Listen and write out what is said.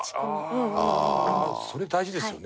それ大事ですよね